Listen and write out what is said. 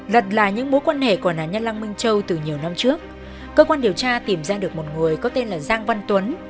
lật lại những mối quan hệ của nạn nhân lăng minh châu từ nhiều năm trước cơ quan điều tra tìm ra được một người có tên là giang văn tuấn